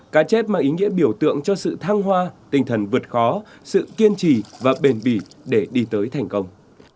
cá chết mang ý nghĩa biểu tượng cho sự thăng hoa tinh thần vượt khó sự kiên trì và bền bỉ để đi tới thành công